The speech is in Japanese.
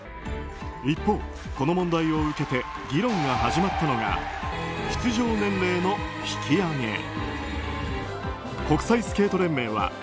一方、この問題を受けて議論が始まったのが出場年齢の引き上げ。